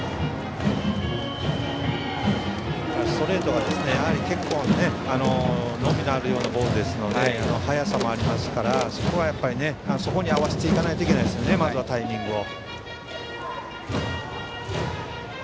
ストレートが結構伸びのあるボールですので速さもありますからそこに合わせていかないといけないですねタイミングを。